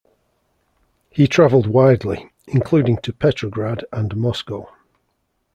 He travelled widely, including to Petrograd and Moscow.